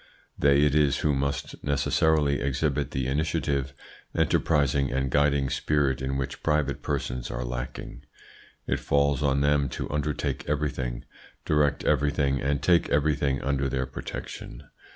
They it is who must necessarily exhibit the initiative, enterprising, and guiding spirit in which private persons are lacking. It falls on them to undertake everything, direct everything, and take everything under their protection.